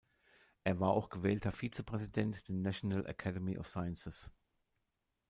Er war auch gewählter Vizepräsident der National Academy of Sciences.